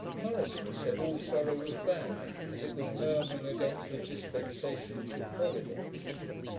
Murison said, all sorrow was bad, as it was murmuring against the dispensations of Providence.